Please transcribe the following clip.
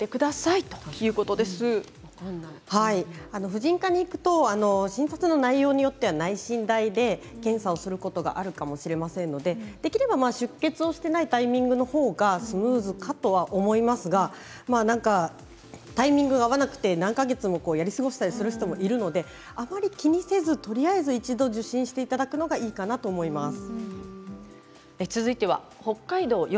婦人科に行くと診察の内容によっては内診台で検査をすることがあるかもしれませんのでできれば、出血をしていないタイミングのほうがスムーズかと思いますがタイミングが合わなくて何か月もやり過ごしたりする人もいるので、あまり気にせずとりあえず一度、受診していただくのがいいかと思います。